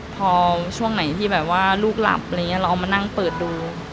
พอช่วงไหนที่ลูกหลับเราเอามานั่งเปิดดู